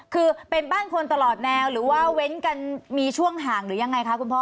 คือเป็นบ้านคนตลอดแนวหรือว่าเว้นกันมีช่วงห่างหรือยังไงคะคุณพ่อ